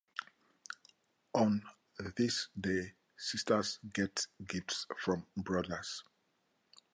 On this day, sisters get gifts from brothers.